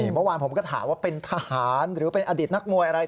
เมื่อวานผมก็ถามว่าเป็นทหารหรือเป็นอดีตนักมวยอะไร